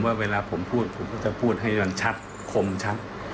เวลาผมพูดผมก็จะพูดให้มันชัดคมชัด